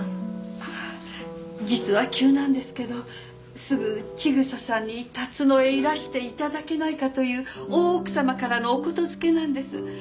あ実は急なんですけどすぐ千草さんに龍野へいらしていただけないかという大奥さまからのお言付けなんです。